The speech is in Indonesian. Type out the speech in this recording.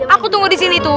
aku tunggu disini tuh